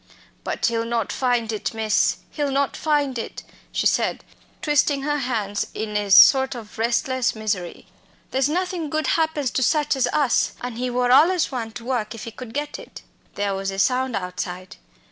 "But he'll not find it, miss, he'll not find it," she said, twisting her hands in a sort of restless misery; "there's nothing good happens to such as us. An' he wor allus a one to work if he could get it." There was a sound outside.